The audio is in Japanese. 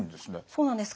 そうなんです。